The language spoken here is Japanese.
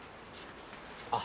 あ。